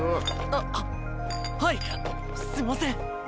あっはいすみません。